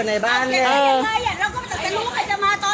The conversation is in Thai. แน่นอนจบกับตาเจ้า